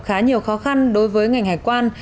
khá nhiều khó khăn đối với ngành hải quan